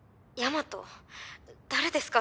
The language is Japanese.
誰ですか？